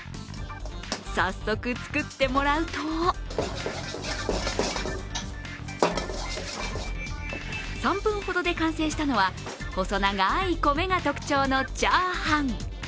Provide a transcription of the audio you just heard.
早速作ってもらうと３分ほどで完成したのは細長い米が特徴のチャーハン。